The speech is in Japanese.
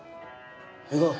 行こう。